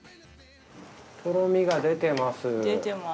とろみが出てます。